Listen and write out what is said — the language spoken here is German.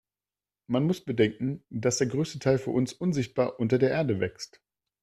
Man muss bedenken, dass der größte Teil für uns unsichtbar unter der Erde wächst.